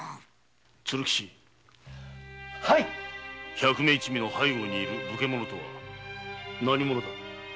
百目一味の背後にいる武家者とは何者だ。